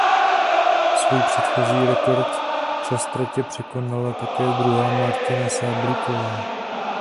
Svůj předchozí rekordní čas tratě překonala také druhá Martina Sáblíková.